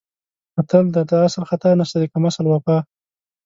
متل دی: د اصل خطا نشته د کم اصل وفا.